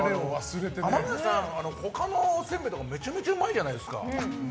天乃屋さんって他のおせんべいとかもめちゃめちゃうまいじゃないですか。